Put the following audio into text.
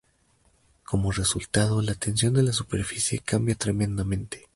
Como resultado, la tensión de la superficie cambia tremendamente.